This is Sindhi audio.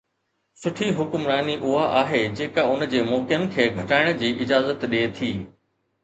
سٺي حڪمراني اها آهي جيڪا ان جي موقعن کي گهٽائڻ جي اجازت ڏئي ٿي.